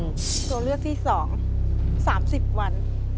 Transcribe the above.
ตัวเลือกที่๒๓๐วัน